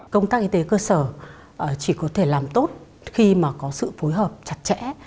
công tác y tế cơ sở chỉ có thể làm tốt khi mà có sự phối hợp chặt chẽ